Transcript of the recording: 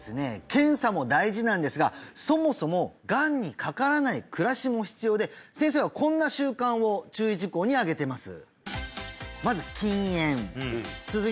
検査も大事なんですがそもそもがんにかからない暮らしも必要で先生はこんな習慣を注意事項に挙げてます